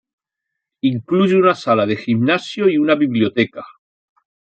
Incluye una sala de gimnasio y una biblioteca.